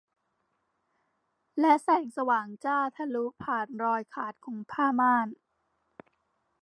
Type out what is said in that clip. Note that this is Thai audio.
และแสงสว่างจ้าทะลุผ่านรอยขาดของผ้าม่าน